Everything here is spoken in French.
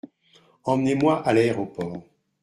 Emmenez-moi à l’aéroport.